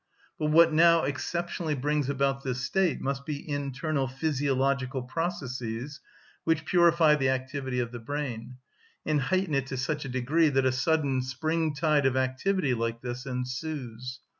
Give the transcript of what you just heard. But what now exceptionally brings about this state must be internal physiological processes, which purify the activity of the brain, and heighten it to such a degree that a sudden spring‐tide of activity like this ensues.